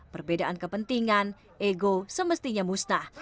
perbedaan kepentingan ego semestinya musnah